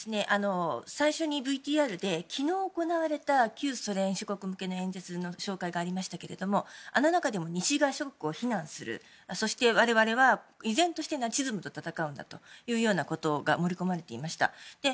最初にＶＴＲで昨日行われた旧ソ連諸国向けの演説の紹介がありましたけれどもあの中でも西側諸国を非難するそして、我々は依然としてナチズムと戦うんだというようなことが盛り込まれていました。